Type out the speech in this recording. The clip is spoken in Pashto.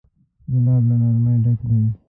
ګلاب له نرمۍ ډک دی.